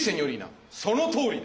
そのとおりです。